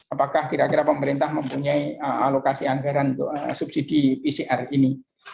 apakah kira kira pemerintah mempunyai alokasi anggaran untuk subsidi pcr ini